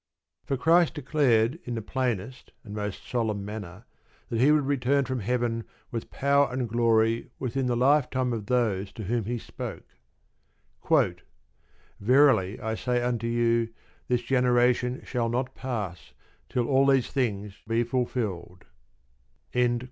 For Christ declared in the plainest and most solemn manner that He would return from Heaven with power and glory within the lifetime of those to whom He spoke: Verily, I say unto you, this generation shall not pass, till all these things be fulfilled.